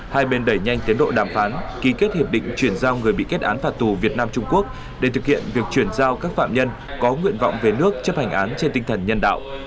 hai bên đẩy nhanh tiến độ đàm phán ký kết hiệp định chuyển giao người bị kết án phạt tù việt nam trung quốc để thực hiện việc chuyển giao các phạm nhân có nguyện vọng về nước chấp hành án trên tinh thần nhân đạo